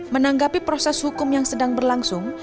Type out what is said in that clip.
menanggapi proses hukum yang sedang berlangsung